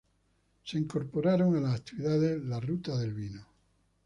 Se incorporaron a las actividades la "Ruta del Vino".